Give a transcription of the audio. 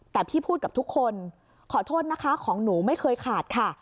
แต่พี่พูดกับทุกคนขอโทษนะคะของหนูไม่เคยขาดค่ะ